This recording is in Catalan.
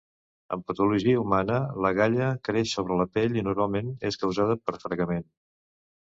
En patologia humana, l'agalla creix sobre la pell i normalment és causada per fregament.